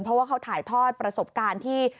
เพราะว่าเขาถ่ายทอดประสบการณ์ที่